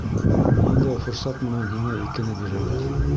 — Ниндәй форсат менән һиңә икене бирәләр?